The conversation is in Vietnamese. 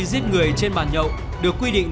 giết người trên bàn nhậu được quy định